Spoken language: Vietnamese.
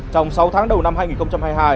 trong sáu tháng đầu năm hai nghìn hai mươi hai